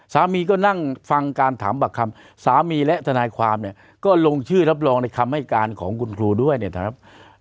สามีก็นั่งฟังการถามบักคำสามีและทนายความเนี่ยก็ลงชื่อรับรองในคำให้การของคุณครูด้วยเนี่ยนะครับ